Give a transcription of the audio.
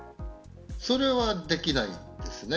それはできないんですね。